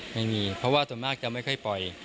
ไม่มีเพราะว่าส่วนมากจะไม่ค่อยปล่อย